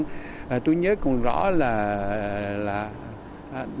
tôi nhớ còn rõ tôi đã nói tôi đã nói tôi đã nói tôi đã nói tôi đã nói tôi đã nói tôi đã nói